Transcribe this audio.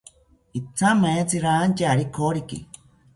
Ithamaetzi rantyari koriki